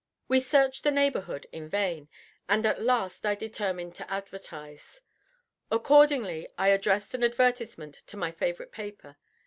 We searched the neighborhood in vain, and at last I determined to advertise. Accordingly I addressed an advertisement to my favorite paper.